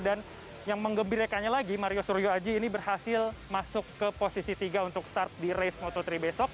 dan yang mengembirakannya lagi mario suryo aji ini berhasil masuk ke posisi tiga untuk start di race moto tiga besok